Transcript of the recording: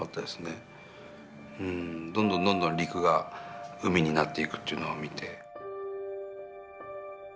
どんどんどんどん陸が海になっていくっていうのを見て。